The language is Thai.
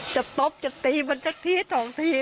จะตบจะตีมันจะทีสองที